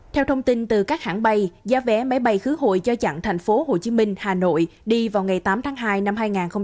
theo thông tin từ các hãng bay giá vé máy bay khứ hội cho chặng thành phố hồ chí minh hà nội đi vào ngày tám tháng hai năm hai nghìn hai mươi bốn